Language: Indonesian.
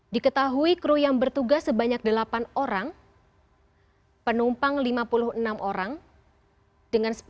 di ketahui kru yang bertugas sebanyak delapan orang penumpang lima puluh enam orang